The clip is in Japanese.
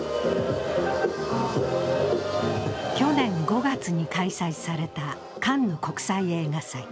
去年５月に開催されたカンヌ国際映画祭。